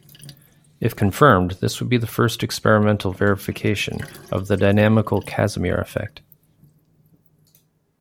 If confirmed this would be the first experimental verification of the dynamical Casimir effect.